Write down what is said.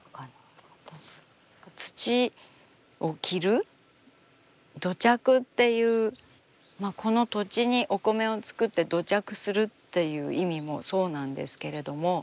土を着る土着っていうこの土地にお米を作って土着するっていう意味もそうなんですけれども。